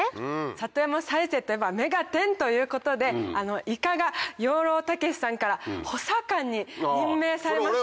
里山再生といえば『目がテン！』ということでいかが養老孟司さんから補佐官に任命されまして。